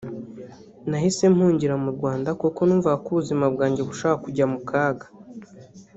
nahise mpungira mu Rwanda kuko numvaga ko ubuzima bwanjye bushobora kujya mukaga